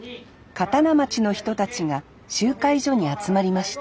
刀町の人たちが集会所に集まりました